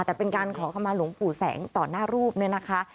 แต่เป็นการขอเข้ามาหลวงปู่แสงต่อหน้ารูปเนี่ยนะคะ